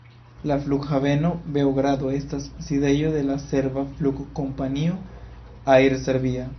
La Flughaveno Beogrado estas sidejo de la serba flugkompanio, Air Serbia.